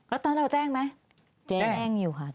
แล้วตอนนั้นเราแจ้งไหมแจ้งอยู่ค่ะ